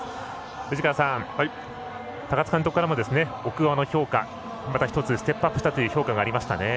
藤川さん、高津監督からも奥川の評価また１つステップアップしたという評価、ありましたね。